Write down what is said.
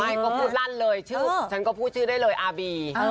ใช่ก็พูดลั่นเลยชื่อฉันก็พูดชื่อได้เลยอาบี